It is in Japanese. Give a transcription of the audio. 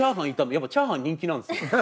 やっぱチャーハン人気なんですよ。